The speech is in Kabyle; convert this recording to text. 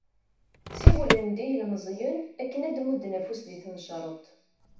Siwlen-d i yilmeẓyen akken ad d-mudden afus di tmecreḍt.